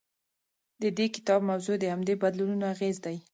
د دې کتاب موضوع د همدې بدلونونو اغېز دی.